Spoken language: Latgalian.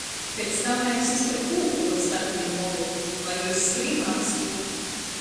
Piec tam vajag sist ar kūku pa statiņa molu, lai juos skrīn āstu.